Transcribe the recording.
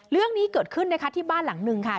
เรื่องนี้เกิดขึ้นนะคะที่บ้านหลังนึงค่ะ